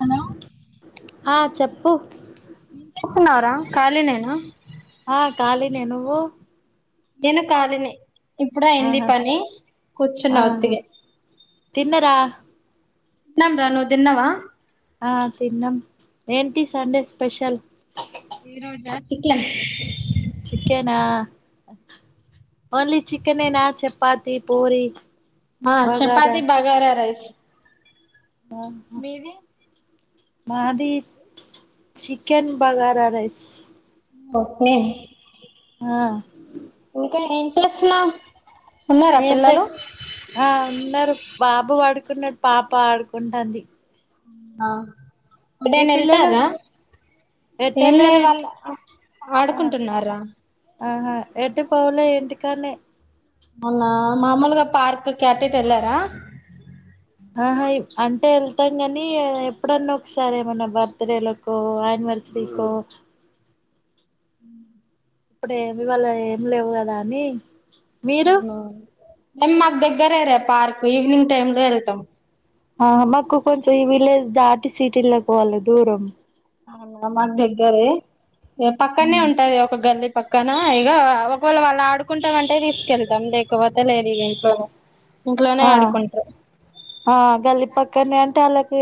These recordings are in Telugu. హలో ఆ చెప్పు ఏంచేస్తున్నావ్ రా ఖాలినేనా ఆ ఖాలినే నువ్వు నేను కాలీనే ఇప్పుడు అయింది ఆహా పని కూర్చున్న ఆహా ఒత్తిగా తిన్నరా తిన్నాం ర నువ్ తిన్నావా ఆ తిన్నం ఏంటి సండే స్పెషల్ ఈరోజ [unintelligible] చికెనా ఓన్లీ చికెనేనా చపాతి పూరి ఆ బగారా చపాతి బగారా రైస్ ఆఓ మీది మాది చికెన్ బగారా రైస్ ఒకే ఆ ఇంకా ఏం చేస్తున్నావ్ ఉన్నారా ఏం లే పిల్లలు ఆ ఉన్నారు బాబు ఆడుకున్నాడు పాప ఆడుకుంటంది ఆ ఇప్పుడేనా పిల్లలు వెళ్తారా ఏం లే ఎటెళ్ళారు వాళ ఇంటి ఆ ఆడుకుంటున్నారా ఆహా ఏంటి పోవలే ఇంటికాడనే అవునా మామూలుగా పార్క్ కటట్ ఎలార ఆహా అంటే వెళ్తాం కానీ ఎప్పుడన్నా ఒకసారే ఏమనా బర్త్ డేలకు ఆనివర్సరీకో ఇప్పుడేమి ఇవాళ ఏమి లేవు కదా అని మీరు అవు మేము మాకు దగ్గరేరే పార్క్ ఈవినింగ్ టైమ్ లో వెళ్తాం ఆ మాకు కొంచం ఈ విలేజ్ దాటి సీటీలోకి పోవాలి దూరం అవునా మాకు దగ్గరే ఇగ పక్కనే ఉంటది ఒక గల్లి పక్కన ఇగ ఒకవేళ వాళ్ళు ఆడుకుంటామంటే తీసుకెళ్తాం లేకపోతే లేదు ఇగ ఇంట్లోనే ఇంట్లోనే ఆ ఆడుకుంటారు ఆ గల్లిపక్క కాని అంటే వాళ్ళకి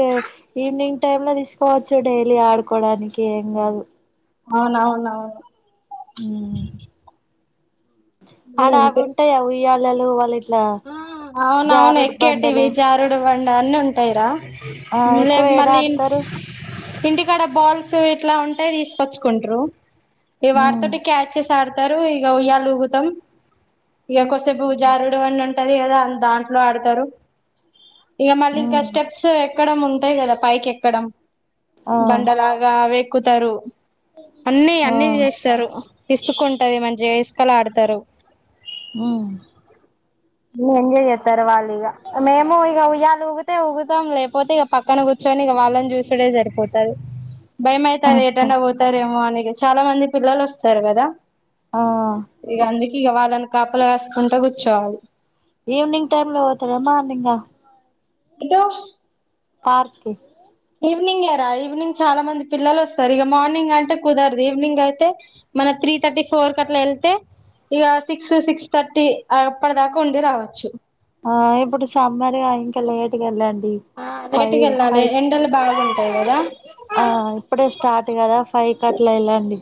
ఈవినింగ్ టైమ్ లో తీసుకోవచ్చు డైలీ ఆడుకోవడానికి ఏం కాదు అవునవునవును. ఊ ఆడ అవి ఉంటాయా ఉయ్యా వాళ్ళలో వాల్లెట్ అవును అవును ఎక్కటివే జారుడు బం బండ అన్ని ఉంటాయిరా ఆ ఎక్కువ లేదు ఏద మళ్ళీ ఆడతారు. ఇంటికాడ బాల్స్ ఇట్లా ఉంటాయి తీసుకొచ్చుకుంట్రు ఈగ ఉమ్ వాడతోటి క్యాచ్ చే చ ఆడతారు ఇక ఉయ్యాల ఊగుతాం ఇక కొద్ది సేపు జారుడు బండ ఉంటది కదా దాంట్లో ఆడుతారు. ఇక మళ్ళీ ఇంక ఉమ్ స్టెప్స్ ఎక్కడం ఉంటాయి కదా పైకి ఎక్కడం ఆ బండలాగా వే ఎక్కుతారు. అన్ని ఆ అన్ని చేస్తారు. ఇసుకుంటది మంచిగ ఇసుకలో ఆడతారు. ఉ అన్ని ఎంజాయ్ చేస్తారు వాళ్ళు ఇగ మేము ఇగ ఉయ్యాలి ఊగితే ఊగుతాం లేకపోతే ఇక పక్కన కూర్చొని ఇక వాళ్ళని చూసుడే సరిపోతాది. భయం అయితది ఆహా ఎటన్నా పోతారేమో అని చాలా మంది పిల్లలు వస్తారు కదా ఆ ఇగ వాళ్ళను కాపలా కాసుకుంట కుర్చ్ చాలు ఈవెనింగ్ టైమ్ లో పోతారా మార్నింగ్ అ ఇద్దో పార్క్కి ఈవినింగేరా ఈవినింగ్ చాలా మంది పిల్లలు వస్తారు ఇక మార్నింగ్ అంటే కుదరదు ఈవినింగ్ అయితే మన త్రీ థర్టీ ఫోర్ కి అట్లా వెళ్తే ఇక సిక్స్ సిక్స్ థర్టీ అప్పటి దాకా ఉండి రావచ్చు ఆ ఇప్పుడు సమ్మరే ఇంకా లేట్గా వెళ్ళండి ఆ లేటుగా ఫైవ్ ఎల్లలే ఫైవ్ ఎండల్ కాలం [unintelligible] ఆ ఇప్పుడే స్టార్ట్ కదా ఫైవ్ కట్లా వెళ్ళండి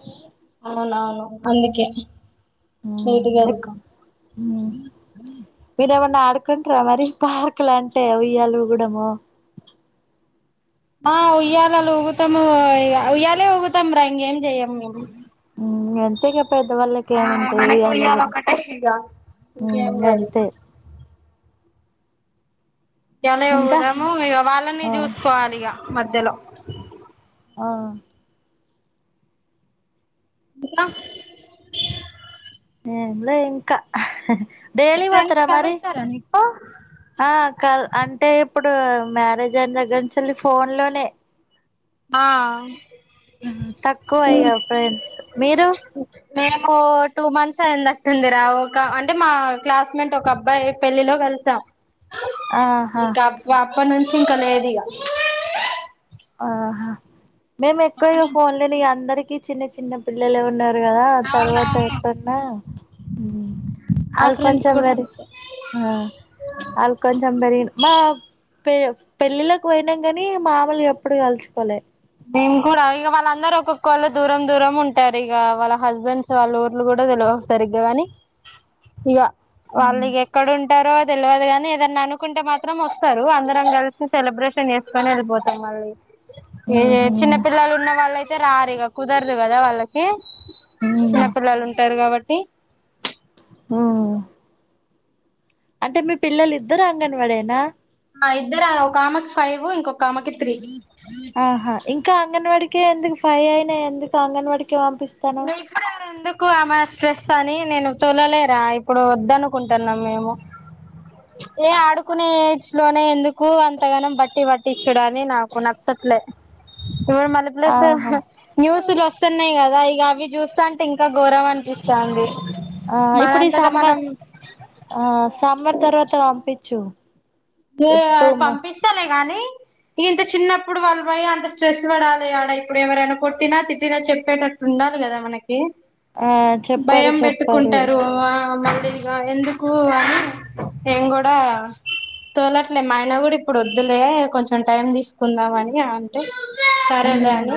అవునవును అందుకే ఊ లేటుగా ఎక్కు వెళ్తాం ఊ మీరేమైనా ఆడ పట్టుకుంటారా మరి పార్కు లంటే ఉయ్యాల ఉగడమో ఆ ఉయ్యాలలు ఊగుతాము ఉయ్యాలి ఊగుతాం రా ఇంకేం చెయ్యము మేము ఊ అంతేగా పెద్దవాళ్ళకి ఆ ఏముంటాది మనకు ఉయ్యాల ఊగడం ఒకటే ఇగ ఊ ఇంకేం లేదు అంతే ఉయ్యాల ఇంకా ఉగుతాము ఇక వాళ్ళని ఆ చూసుకోవాలి ఇక మధ్యలో ఆ ఇంకా ఎంలే ఇంకా మీ డైలీ ఫ్రెండ్స్ పోతారా మరి కలుస్తారా నీకు ఆ క అంటే ఇప్పుడు ఇప్పుడు మ్యారేజ్ అయిన దగ్గర నుంచల్లి ఫోన్ లోనే ఆ తక్కువ ఇగ ఫ్రెండ్స్ మీరు ఓ టూ మంత్స్ అయిందట్టుందిరా ఒక అంటే మా క్లాస్మేట్ ఒక అబ్బాయి పెళ్ళిలో కలిసామ్ ఆహా ఇంకా అప్ప అప్పటినుంచి ఇంకా లేదిగా ఆహా మేము ఎక్కువ ఇగ ఫోన్ లేని అందరి అందరికి చిన్న చిన్న పిల్లలే ఉన్నారు కదా తర్వాత అవునవును ఎప్పున్నా మా వాళ్ళు ఫ్రెండ్స్ కొంచెం కూడా మరి అంతే వాళ్ళ కొంచెం మరి మా పెళ్ పెళ్ళిళలకు పోయినాం కాని మామూలు ఎప్పుడు కలుచుకోలే వాళ్ళు దూరం దూరం ఉంటారు ఇక వాళ్ళ హస్బెండ్స్ వాళ్ళ ఊర్లు కూడా తెలివవు సరిగ్గా కాని ఇ- వాళ్ళు మ్ ఇగ ఎక్కడుం ఉంటారో తెలియదు కానీ ఏదన్నా అనుకుంటే మాత్రం వస్తారు అందరం కలిసి సెలబ్రేషన్ చేసుకొని వెళ్ళిపోతాం మళ్ళీ ఈ మ్ హు చిన్న పిల్లలు ఉన్న వాళ్ళైతే అయితే రారీగా కుదరదు కదా వాళ్ళకి మ్ చిన్నపిల్లలు ఉంటారు కాబట్టి ది ఆ అంటే మీ పిల్లలు ఇద్దరు అంగన్వాడేనా ఆ ఇద్దరు ఒక ఆమెకి ఫైవ్ ఇంకొక ఆమకి త్రీ ఆహా ఇంకా అంగన్వాడికే ఎందుకు ఫై అయినా ఎందుకు అంగన్వాడికి న ఇప్పుడ ఎందుకు అమె చేస్తాని నేను తూలలేరా ఇప్పుడు వద్ద అనుకుంటున్నా మేము ఏ ఆడుకునే ఏజ్ లోనే ఎందుకు అంతగానో బట్టి పట్టించుడని నాకు నచ్చట్లే ఇ మల్ల ప్లస్ ఆహా న్యూస్లు వస్తున్నాయి కదా ఇ ఇంకా అవి చూస్తా అంటే ఇంకా గోరమ్ అనిపిస్తంది ఆ ఇప్పుడు సమ్మర్ ఆ సమ్మర్ తర్వాత పంపించు ఎప్పుడు [unintelligible] పంపిస్తానే గానీ ఇంత చిన్నప్పుడు వాళ్ళు పోయి అంత స్ట్రెస్ పడాలిఆడ, ఇప్పుడు ఎవరైనా కొట్టినా తిట్టినా చెప్పేటట్టు ఉండాలి కదా మనకి ఆ చెప్పరు భయం చెప్పరు పెట్టుకుంటారు తెగా ఎందుకు అని నేన్ కూడా తోలట్లే మా ఆయన కూడా ఇప్పుడు వద్దులే కొంచెం టైం తీసుకుందామని అంటే సరేలే మ్మ్ అని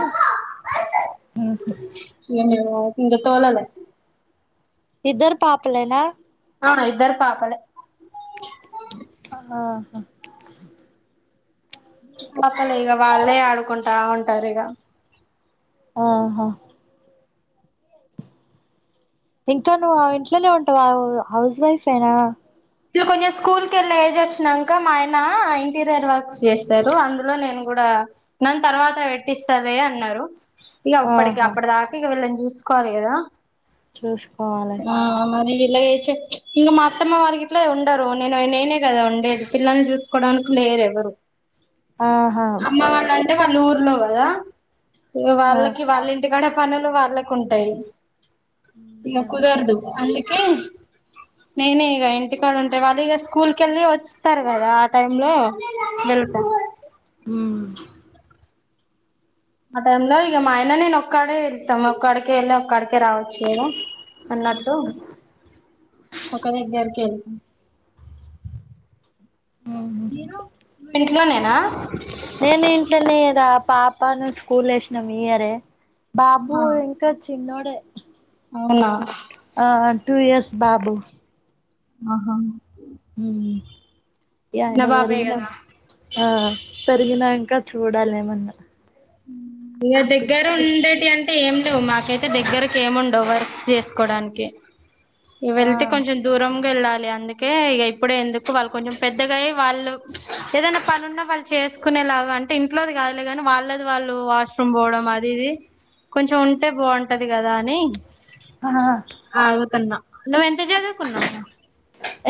ఇంగా తొలలే ఇద్దరు పాపలేనా ఆ ఇద్దరు పాపలే ఆహా మాప్ప లేగా వాళ్ళే ఆడుకుంటా ఉంటారు ఇక ఆహా ఇంకా నువ్వు ఆ ఇంట్లోనే ఉంటావు హౌస్ వైఫ్యినా ఇలు కొంచెం స్కూల్ కి వెళ్లే ఏజ్ వచ్చినాక, మా ఆయన ఇంటీరియర్ వర్క్స్ చేస్తారు, అందులో నేను కూడా నన్న తర్వాత పెట్టిస్తలే అన్నారు ఇక ఉప్పుడక ఆహా అప్పుడ దాక ఇక వెళ్ళం జూస చూసుకోవాలి కదా చూసుకోవాలి లేచే ఇగ మ అత్తమా వారికి అట్లే ఉండరు నేను నేనే కదా ఉండేది, పిల్లల్ని చూసుకోవడానికి లేరు ఎవ్వరు ఆహా అమ్మ వాళ అంటే వాళ్ళురు లో కాదా ఆ వాళ్ళకి వాళ్ళి ఇంటికాడే పనులు వాళ్ళకు ఉంటాయి ఇలా అంతే కుదార్దు అ నేనే ఇంగ ఇక్కడ ఉంటాయి వాళ్ళు ఇక స్కూల్ కెళ్ళి వస్తారు కదా ఆ టైమ్ లో వెళ్తాారు అవు ఆ టైమ్ లో ఇక మాయన నేను ఒక్కడే వెళ్తాం ఒక్కడిక వెళి ఒక్కడక రావచ్చు కదా అన్నట్టు ఒక దగ్గరికి వెళ్ా మ్మ్ మీరు ఇంట్లోనేేనా నేను ఇంట్లోనే పాప అప్పా ను స్కూల్ వేసినాం ఇయరే బాబు ఆహా ఇంకా చిన్న ప అవునా టూ ఇయర్స్ బాబు ఆహా హ ఈ ఆయన చిన్న బాబే పెరిగినా కదా ఆ పెరిగినాంక చూడాలేమన్నా మీ దగ్గర ఉండేటి అంటే అతే ఏం లేవు మాకైతే దగ్గరకి ఏముండవు వర్క్ చేసుకోవడానికి ఇ ఆ వెళ్తే కొంచెం దూరం వెళ్ళాలి అందుకే ఇక ఇప్పుడే ఎందుకు వాళ్ళు కొంచెం పెద్దగా వాళ్ళు ఏదైనా పని ఉన్నా వాళ్ళు చేసుకునే లాగా అంటే ఇంట్లోది కాదులే కాని వాళ్ళ వాళ్ళు వాష్రూమ్ పోవడం అది ఇది కొంచెం ఉంటే బాగుంటది కదా అని ఆ ఆ అవుదన్న నువ్వెంత చదువుకున్నావ్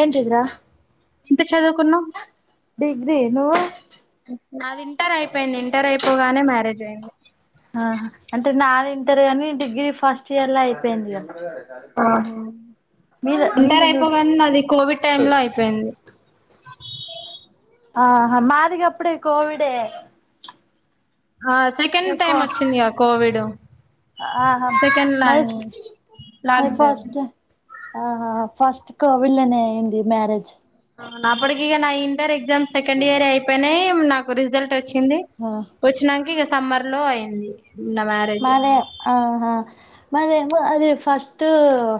ఏంటిదిరా ఇంత చదువుకున్నాం డిగ్రీ నువ్వు అది ఇంటర్ అయిపోయింది ఇంటర్ అయిపో గానే మ్యారేజ్ అయింది ఆ అంటే నాది ఇంటర్ అని డిగ్రీ ఫస్ట్ ఇయర్లా అయిపోయింది క ఆహా మీద ఇంటర్ చూడు అయిపోగా అది కోవిడ్ టైమ్ లో అయిపోయింది ఆహా మాదిగా అప్పుడే కోవిడే ఆ సెకండ్ ఇగ కో టైమ్ వచ్చిందిగా కోవిడ్ ఆహా సెకండ్ ల్యా మరి మరి లాక్డౌన్ ఫస్ట్ ఆహా ఫస్ట్ కోవిళ్ళనే అయింది మ్యారేజ్ అప్పడుకిక నా ఇంటరెక్ట్ ఎగ్జామ్ సెకండ్ ఇయర్ అయిపోయినాయి నాక్ జల్ట్ వచ్చింది ఆ వచ్చినాక సమ్మర్ లో అయింది నా మ్యారేజ్ మరి ఆహా మరి అదే ఫస్ట్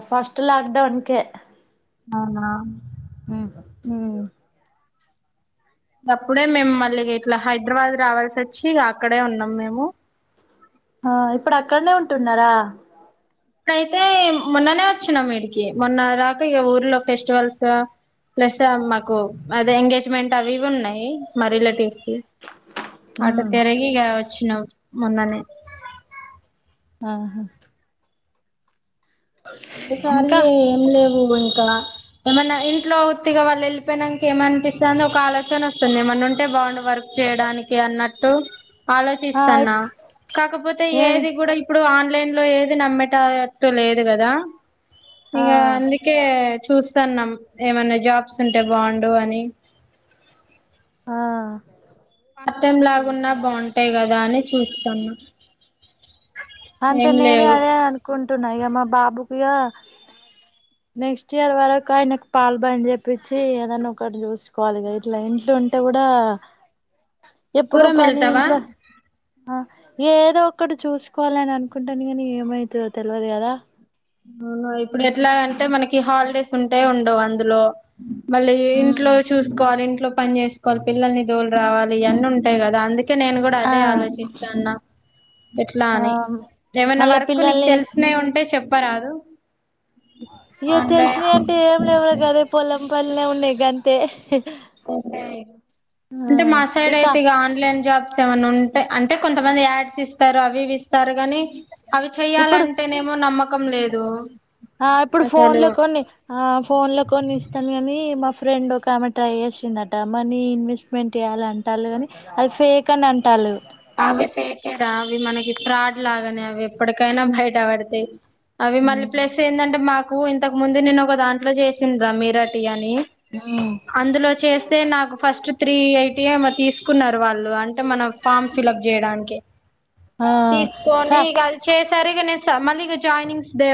ఫస్ట్ లక్డౌన్కే అవునా ఆ అప్పుడే మేము మళ్ళీ ఇట్లా హైదరాబాద్ రావాల్సి వచ్చి, ఇక అక్కడే ఉన్నాం మేము ఆ ఇప్పుడు అక్కడనే ఉంటున్నారా అయితే మొన్ననే వచ్చినాం ఇడికి, మొన్న రాక ఇక ఊర్లో ఫెస్టివల్స్ ప్లస్ మాకు అద ఎంగేజ్మెంట్ అవి ఇవి ఉన్నాయి, మా రిలేటివ్స్వి క అటు మ్మ్ తిరగి ఇక వచ్చినాం మొన్ననే ఆహా ద ఇంకా కారియ ఎం లెవ్ ఇంకా ఏమన్నా ఇంట్లో ఉత్తిగా వాళ్ళు వెళ్ళిపోయిక ఏమనిపిస్తుో ఒక ఆలో వస్తుంది మన ఉంటే బ వర్క్ చేయడానికి అన్నట్టు ఆ ఆలోచిస్తాన్నా కాకపోతే ఏన్ ఏది కూడా ఇప్పుడు ఆ ఆన్లైన్ లో ఏది నమ్మేటటు లేదు కదా ఆ ఇకా అందుకే చూస్తుాన్నాం ఏమైన్నా జాబ్స్ ఉంటే బాగుండు అని ఆ పతం లాగున్నా బాగుంటాయి కదా అని చూస్తున్న అంతే నేను అదే అనుకుంటున్నా ఇక మా బాబు ఇగ నెక్స్ట్ ఇయర్ వరకు ఆయనకు పాల్ బాన్ చెప్పచ్చి, ఏదనా ఒకటి చూసుకోవాలిగా ఇట్లా ఇంట్లో ఉంటే కూడా ఎప్పుడు దూరం పని వెళ్తావా ఇంట్లో ఏదో ఒకటి చూసి కోవాలని అనుకుంటాను కానీ ఏమైతదో తెల్వదు కదా అవును ఇప్పుడు ఎట్లా అంటే మనకి హాలిడేస్ ఉంటే ఉండవు అందులో మళ్ళీ ఇంట్లో చూసుకోవాలి ఇంట్లో పని చేసుకోవాలి పిల్లల్ని ధోలు రావాలి అన్నీ ఉంటాయి కదా అందు కె నేను కూడా ఆ అదే ఆలోచిస్తాన్నా, ఎట్లా ఆ అని ఏమైన్నా మళ్ళా వరకు నీకు పిల్లల్ని తెలిసిన ఉంటే చెప్ రాదు ఇ తెలిసినా అంటే ఏం లేవరు కదే పొలం ప ఉన్నాయి గంతే అే ఆ అంటే మా సైడ్ అయితే ఇక ఆన్లైన్ జాబ్ ఏమన్నా ఉంటే అంటే కొంతమంది యాడ్స్ ఇస్తారు అవి ఇస్తారు ని అవి ఇప్పుడు చెయ్యాలంటేనేమో నమ్మకం ముఖం లేదు ఆ ఇప్పుడు ఫోన్ అసలు లో కొన్ని ఆ ఫోన్ లో కొన్ని ఇస్తాను కాని మా ఫ్రెండ్ ఒక ఆమె ట్రై చేసిందట మనీ ఇన్వెస్ట్మెంట్ చేయాలి అంటారు కానీ అది ఫేక్ అని అంటారు అవి ఫేకే ర అవి మనకి ఫ్రాడ్ లాగానే అవి ఎప్పటిక కనా భైట్ ఆవడతే అవి మళ్ళీ ప్లేస్ ఉమ్ ఏందంటే మాకు ఇంతకు ముందు నేను ఒక దాంట్లో చేసింది రా మీరాటి అని అందులో చేస్తే నాకు ఫస్ట్ త్రీ ఎయిటీ ఏమ తీసుకున్నారు వాళ్ళు అంటే మన ఫామ్ ఫిల్ అప్ చేయడానికి ఆ తీసుకొని స ఇకది చేసరిగా న సార్ మళ్ళీ ఇగా జాయినింగ్స్ దే